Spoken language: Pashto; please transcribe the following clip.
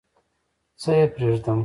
څه یې پرېږدم؟